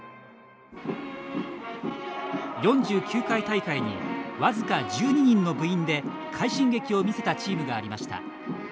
４９回大会に僅か１２人の部員で快進撃を見せたチームがありました。